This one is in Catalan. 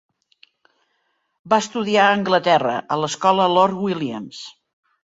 Va estudiar a Anglaterra a l'escola Lord Williams.